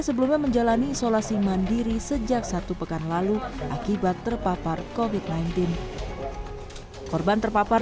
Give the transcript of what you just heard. sebelumnya menjalani isolasi mandiri sejak satu pekan lalu akibat terpapar kovid sembilan belas korban terpapar